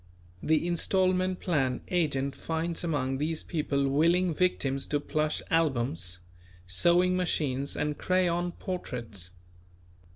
The "installment plan" agent finds among these people willing victims to plush albums, sewing machines and crayon portraits.